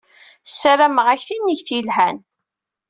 SsarameƔ-ak tinigt yelhan!